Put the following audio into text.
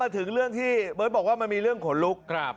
ถึงเรื่องที่เบิร์ตบอกว่ามันมีเรื่องขนลุก